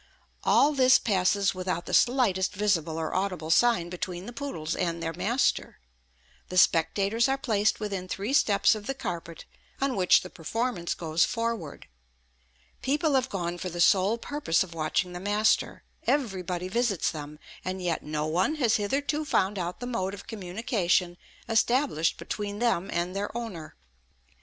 All this passes without the slightest visible or audible sign between the poodles and their master; the spectators are placed within three steps of the carpet on which the performance goes forward; people have gone for the sole purpose of watching the master; everybody visits them, and yet no one has hitherto found out the mode of communication established between them and their owner.